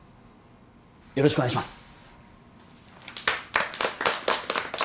よろしくお願いします。